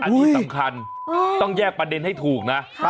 อันนี้สำคัญต้องแยกประเด็นให้ถูกนะ